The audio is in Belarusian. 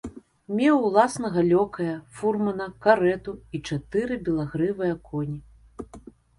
Меў уласнага лёкая, фурмана, карэту і чатыры белагрывыя коні.